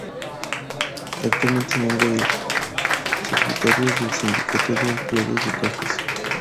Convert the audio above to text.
Actualmente es miembro del secretariado del Sindicato de Empleados de Cajas.